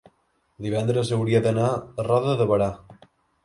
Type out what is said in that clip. divendres hauria d'anar a Roda de Berà.